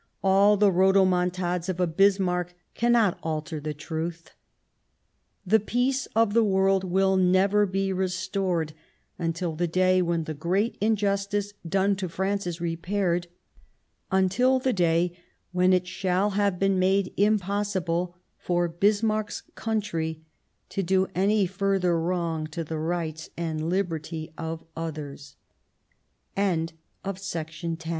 All the rodomontades of a Bismarck can 195 Bismarck not alter the truth. The peace of the world will never be restored until the day when the great in justice done to France is repaired, until the day when it shall have been made impossible for Bis marck's country to do any further wrong to the rights and liberty of oth